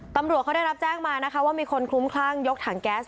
ตำรวจเขาได้รับแจ้งมานะคะว่ามีคนคลุ้มคลั่งยกถังแก๊ส